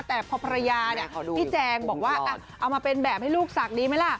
แต่พอประยาที่แจ๊งบอกว่าเอามาเป็นแบบให้ลูกศักดิ์ดีไหมล่ะ